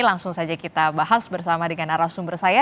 langsung saja kita bahas bersama dengan arah sumber saya